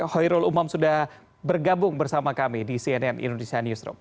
khairul umam sudah bergabung bersama kami di cnn indonesia newsroom